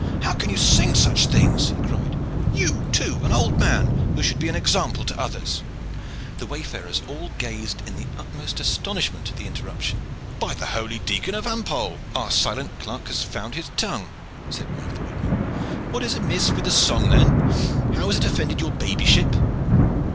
"How can you sing such things?" he cried. "You, too, an old man who should be an example to others." The wayfarers all gazed in the utmost astonishment at the interruption. "By the holy Dicon of Hampole! our silent clerk has found his tongue," said one of the woodmen. "What is amiss with the song then? How has it offended your babyship?"